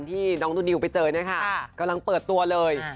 ที่น้องตัวนิวไปเจอนะค่ะกำลังเปิดตัวเลย